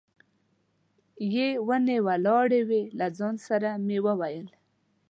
یې ونې ولاړې وې، له ځان سره مې وویل.